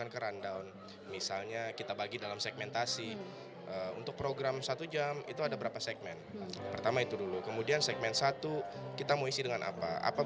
kami senantiasa berupaya untuk sempurna